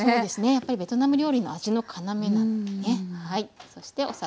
やっぱりベトナム料理の味の要なのでね。